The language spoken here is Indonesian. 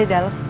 ada di dalam